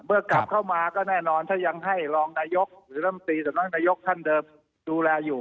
กลับเข้ามาก็แน่นอนถ้ายังให้รองนายกหรือลำตีสำนักนายกท่านเดิมดูแลอยู่